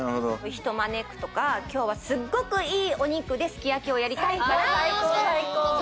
人を招くとか、きょうはすごくいいお肉ですき焼きをやりたいからとか。